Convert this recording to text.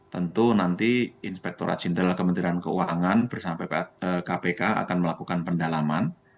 tentu nanti inspektorat jenderal kementerian keuangan bersama kpk akan melakukan pendalaman